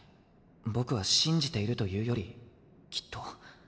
僕は信じているというよりきっと。